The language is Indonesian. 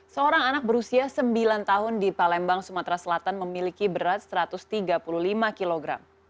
seorang anak berusia sembilan tahun di palembang sumatera selatan memiliki berat satu ratus tiga puluh lima kg